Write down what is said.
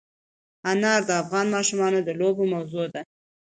انار د افغان ماشومانو د لوبو موضوع ده.